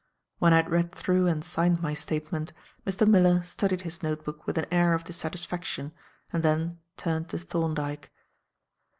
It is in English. When I had read through and signed my statement, Mr. Miller studied his note book with an air of dissatisfaction and then turned to Thorndyke.